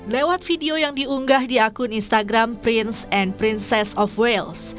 lewat video yang diunggah di akun instagram prince and princess of wales